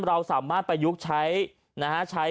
เราสามารถไปยุคใช้